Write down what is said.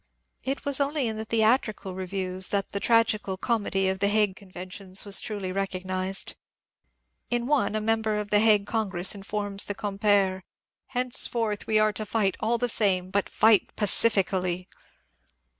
It was only in the theatrical revues that the ^^ tragical com edy " of the Hague conventions was truly recognized. In one a member of the Hague Congress informs the compere, —^^ Henceforth we are to fight all the same, but fight pacifi cally."